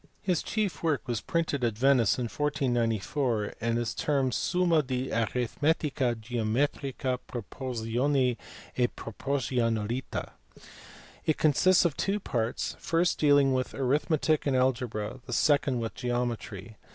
His chief work was printed at Venice in 1494 and is termed Summa de arithmetica, geometria, proporzioni e pro porzionalita. It consists of two parts, the first dealing with arithmetic and algebra, the second with geometry.